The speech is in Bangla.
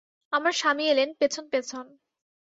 আমার স্বামী এলেন পেছন পেছন।